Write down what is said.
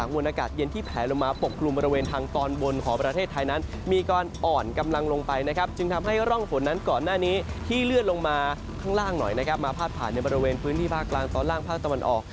มาพาดผ่านในบริเวณพื้นที่ภาคกลางตอนล่างภาคตะวันออก